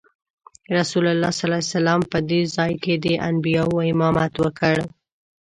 رسول الله صلی الله علیه وسلم په دې ځای کې د انبیاوو امامت وکړ.